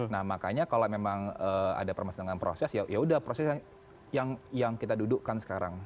nah makanya kalau memang ada permasalahan dengan proses ya yaudah proses yang kita dudukkan sekarang